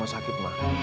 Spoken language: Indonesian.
dari rumah sakit ma